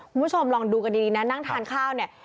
คุณผู้ชมลองดูกันดีนะนั่งทานข้าวเนี่ย